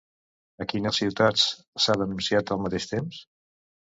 A quines ciutats s'ha denunciat, al mateix temps?